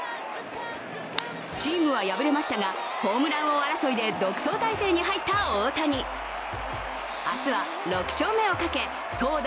チームは敗れましたが、ホームラン王争いで独走体制に入った大谷。明日は６勝目をかけ投打